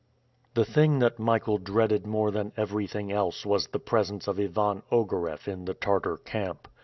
The thing that Michael dreaded more than everything else was the presence of Ivan Ogareff in the Tartar camp.